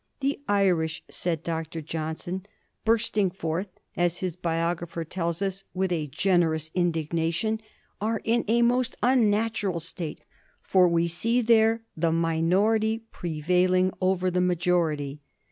" The Irish," said Dr. Johnson, " bursting forth," as his biographer tells ns, ^^ with a generous indignation," ^^are in a most unnatural state, for we see there the mi nority prevailing over the majority.